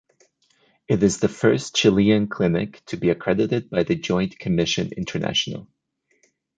It is the first Chilean clinic to be accredited by the Joint Commission International.